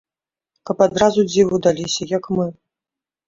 Каб адразу дзіву даліся, як мы.